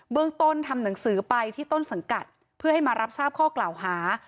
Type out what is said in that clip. เรื่องต้นทำหนังสือไปที่ต้นสังกัดเพื่อให้มารับทราบข้อกล่าวหา